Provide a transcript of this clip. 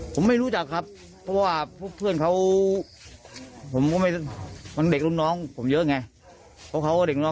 ผมไม่รู้จักครับเพื่อนเขามันเด็กลุงน้องเด็กน้อง